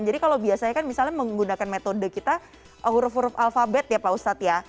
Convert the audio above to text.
jadi kalau biasanya kan misalnya menggunakan metode kita huruf huruf alfabet ya pak ustadz ya